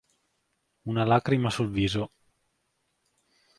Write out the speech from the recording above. Una lacrima sul viso